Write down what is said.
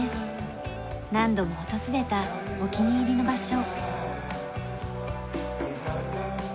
何度も訪れたお気に入りの場所。